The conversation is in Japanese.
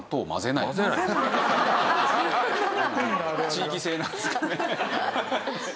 地域性なんですかね？